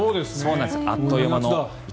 あっという間の。